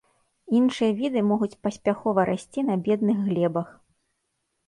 Іншыя віды могуць паспяхова расці на бедных глебах.